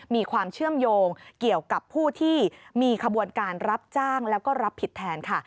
มีความเชื่อมโยงเกี่ยวกับผู้ที่มีขบวนการรับจ้างแล้วก็รับผิดแทนค่ะ